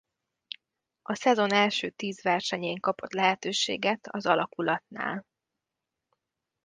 A szezon első tíz versenyén kapott lehetőséget az alakulatnál.